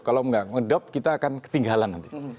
kalau nggak ngedopt kita akan ketinggalan nanti